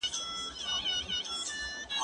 زه اوږده وخت سپينکۍ پرېولم وم؟!